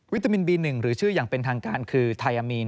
ตามินบี๑หรือชื่ออย่างเป็นทางการคือไทยอามีน